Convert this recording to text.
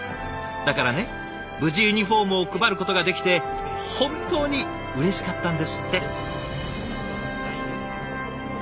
だからね無事ユニフォームを配ることができて本当にうれしかったんですって。